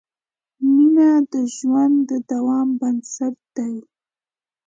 مینه د ژوند د دوام بنسټ ده.